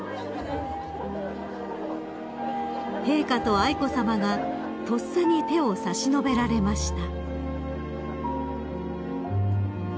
［陛下と愛子さまがとっさに手を差し伸べられました］